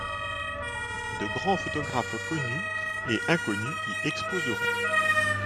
De grands photographes connus et inconnus y exposeront.